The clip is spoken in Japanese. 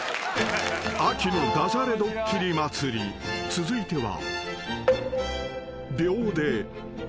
［続いては］